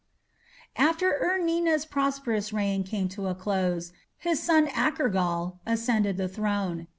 After Ur Nina's prosperous reign came to a close, his son Akurgal ascended the throne.